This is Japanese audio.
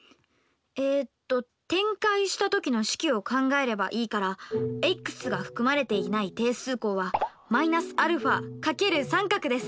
えっと展開したときの式を考えればいいからｘが含まれていない定数項は−α×△です。